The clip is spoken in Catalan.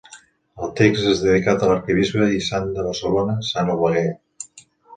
El text és dedicat a l'arquebisbe i sant de Barcelona, Sant Oleguer.